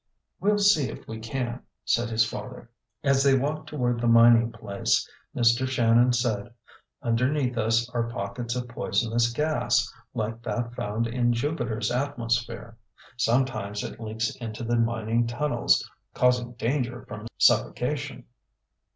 "We'll see if we can," said his father. As they walked toward the mining place, Mr. Shannon said, "Underneath us are pockets of poisonous gas like that found in Jupiter's atmosphere. Sometimes it leaks into the mining tunnels causing danger from suffocation."